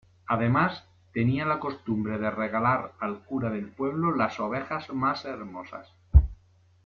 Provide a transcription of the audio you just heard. Además, tenían la costumbre de regalar al cura del pueblo las ovejas más hermosas.